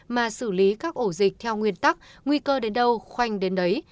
mà xử lý các ổ dịch theo nguyên tắc nguy cơ đến đâu khoanh đến đấy